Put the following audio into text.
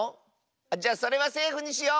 じゃそれはセーフにしよう！